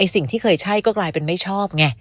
สิ่งที่เคยใช่ก็กลายเป็นไม่ชอบไง